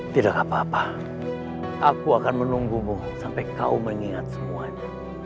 tidak apa apa aku akan menunggumu sampai kau mengingat semuanya